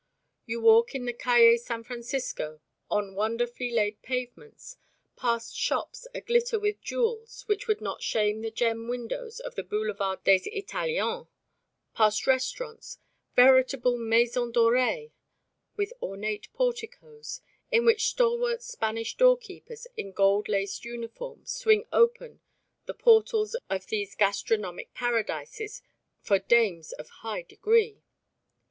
You walk in the Calle San Francisco on wonderfully laid pavements, past shops a glitter with jewels which would not shame the gem windows of the Boulevard des Italiens, past restaurants veritable maisons dorées, with ornate porticoes in which stalwart Spanish doorkeepers in gold laced uniforms swing open the portals of these gastronomic paradises for dames of high degree.